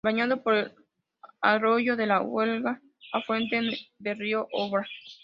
Bañado por el arroyo de la "Huelga" afluente del río Odra.